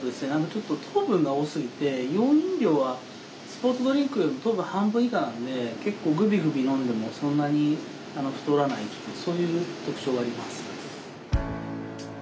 ちょっと糖分が多すぎてイオン飲料はスポーツドリンクよりも糖分半分以下なんで結構グビグビ飲んでもそんなに太らないっていうそういう特徴があります。